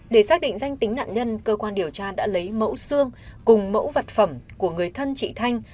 để xác định danh tính nạn nhân cơ quan điều tra đã lấy mẫu xương cùng mẫu vật phẩm của người thân chị thanh